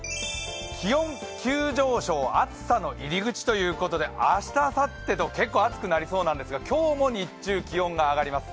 気温急上昇、暑さの入り口ということで明日、あさってと結構、暑くなりそうなんですが今日も日中、気温が上がります。